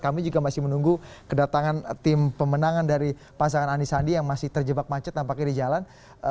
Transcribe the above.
kami juga masih menunggu kedatangan tim pemenangan dari pasangan anies sandi yang masih terjebak macet nampaknya di jalan